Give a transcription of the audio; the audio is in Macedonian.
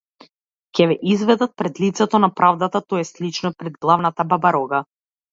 Ќе ве изведат пред лицето на правдата то ест лично пред главната бабарога!